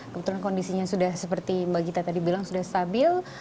kebetulan kondisinya sudah seperti mbak gita tadi bilang sudah stabil